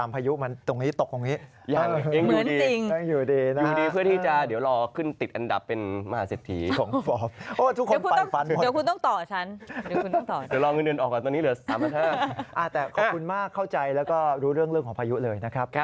ผมยังเป็นห่วงคุณเลย